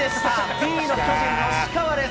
Ｂの巨人、吉川です。